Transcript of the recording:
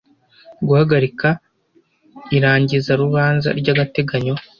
guhagarika irangizarubanza ry agateganyo